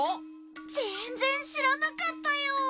全然知らなかったよ！